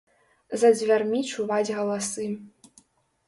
За дзвярмі чуваць галасы.